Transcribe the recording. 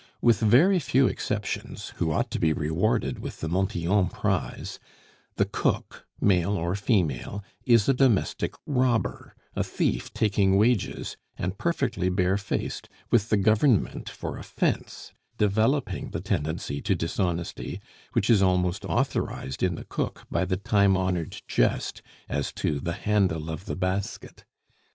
With very few exceptions, who ought to be rewarded with the Montyon prize, the cook, male or female, is a domestic robber, a thief taking wages, and perfectly barefaced, with the Government for a fence, developing the tendency to dishonesty, which is almost authorized in the cook by the time honored jest as to the "handle of the basket."